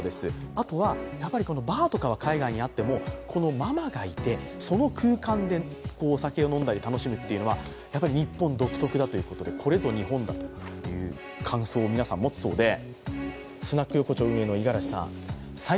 あとは、バーとかは海外にあってママがいてその空間でお酒を飲んだり楽しむというのは日本独特だということでこれぞ日本だという感想を皆さん持つそうです